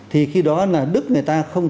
thì khi đó là đức người ta không